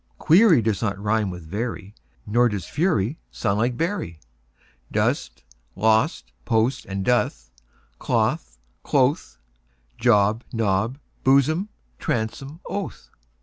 Query does not rime with very, Nor does fury sound like bury. Dost, lost, post and doth, cloth, loth; Job, Job, blossom, bosom, oath.